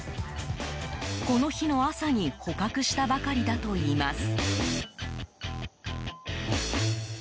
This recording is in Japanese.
この日の朝に捕獲したばかりだといいます。